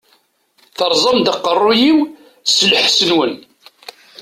Teṛṛẓam-d aqeṛṛu-yiw s lḥess-nwen!